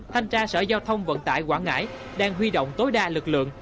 thanh tra sở giao thông vận tải quảng ngãi đang huy động tối đa lực lượng